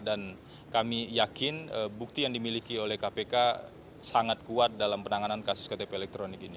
dan kami yakin bukti yang dimiliki oleh kpk sangat kuat dalam penanganan kasus ktp elektronik ini